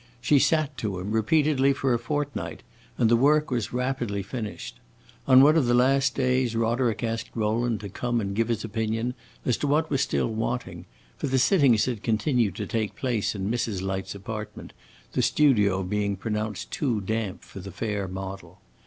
She sat to him, repeatedly, for a fortnight, and the work was rapidly finished. On one of the last days Roderick asked Rowland to come and give his opinion as to what was still wanting; for the sittings had continued to take place in Mrs. Light's apartment, the studio being pronounced too damp for the fair model.